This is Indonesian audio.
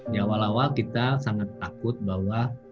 ya walau kita sangat takut bahwa